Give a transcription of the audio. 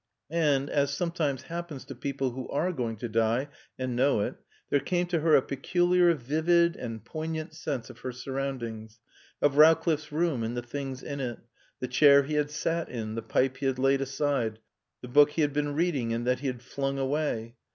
And, as sometimes happens to people who are going to die and know it, there came to her a peculiar vivid and poignant sense of her surroundings. Of Rowcliffe's room and the things in it, the chair he had sat in, the pipe he had laid aside, the book he had been reading and that he had flung away.